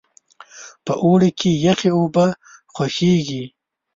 په اوړي کې یخې اوبه خوښیږي.